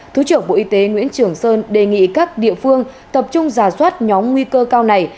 thứ trưởng bộ y tế nguyễn trường sơn đề nghị các địa phương tập trung giả soát nhóm nguy cơ cao này